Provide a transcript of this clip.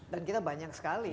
dan kita banyak sekali